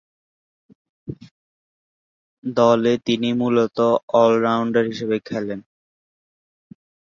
দলে তিনি মূলতঃ অল-রাউন্ডার হিসেবে খেলেন।